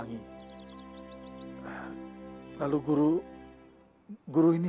ogos pun juga